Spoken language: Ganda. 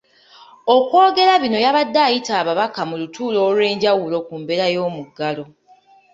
Okwogera bino yabadde ayita ababaka mu lutuula olw’enjawulo ku mbeera y’omuggalo.